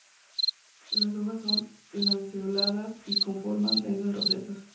Las hojas son lanceoladas y forman densas rosetas.